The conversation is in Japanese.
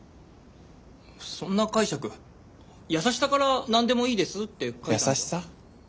そんな解釈優しさから「なんでもいいです」って。優しさ？